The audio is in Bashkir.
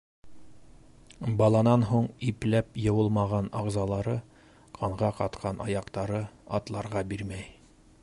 Баланан һуң ипләп йыуылмаған ағзалары, ҡанға ҡатҡан аяҡтары атларға бирмәй.